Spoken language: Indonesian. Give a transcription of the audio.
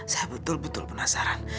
saya betul betul penasaran